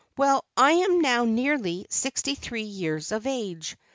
Well, I am now nearly sixty three years of age.